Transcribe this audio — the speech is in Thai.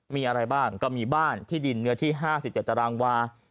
มีอะไรบ้างก็มีบ้านที่ดินเนื้อที่๕๗ตารางวา